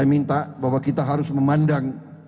saya minta bahwa kita harus memandang